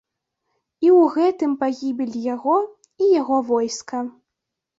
І ў гэтым пагібель яго і яго войска.